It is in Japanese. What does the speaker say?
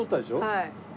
はい。